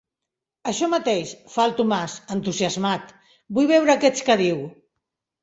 Això mateix –fa el Tomàs, entusiasmat–, vull veure aquests que diu.